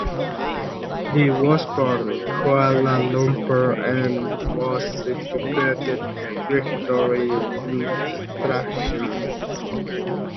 Lee was born in Kuala Lumpur and was educated at Victoria Institution.